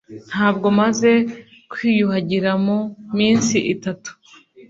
Ntabwo maze kwiyuhagira mu minsi itatu